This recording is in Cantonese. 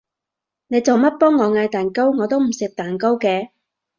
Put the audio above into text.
你做乜幫我嗌蛋糕？我都唔食蛋糕嘅